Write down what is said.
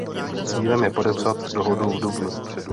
Cílem je podepsat dohodu v dubnu.